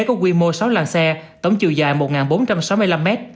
có quy mô sáu làng xe tổng chiều dài một bốn trăm sáu mươi năm m